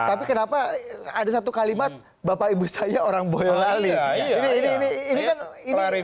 tapi kenapa ada satu kalimat bapak ibu saya orang boyolali